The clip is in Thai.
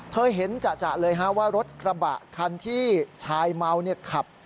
เธอเห็นจะเลยว่ารถกระบะคันที่ชายเมาท์